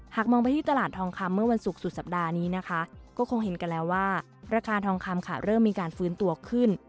มองไปที่ตลาดทองคำเมื่อวันศุกร์สุดสัปดาห์นี้นะคะก็คงเห็นกันแล้วว่าราคาทองคำค่ะเริ่มมีการฟื้นตัวขึ้น